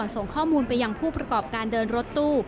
ส่งข้อมูลไปยังผู้ประกอบการเดินรถตู้